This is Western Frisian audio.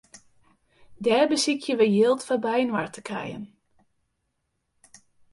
Dêr besykje we jild foar byinoar te krijen.